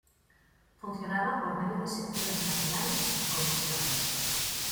Funcionaba por medio de secciones nacionales y subcomisiones.